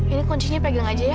ini kuncinya pegang aja ya